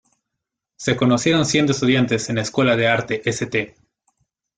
Se conocieron siendo estudiantes en la escuela de arte St.